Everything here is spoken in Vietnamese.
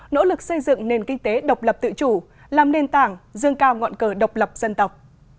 nỗ lực xây dựng nền kinh tế độc lập tự chủ làm nền tảng dương cao ngọn cờ độc lập dân tộc